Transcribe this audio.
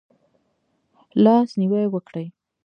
لاس نیوی وکړئ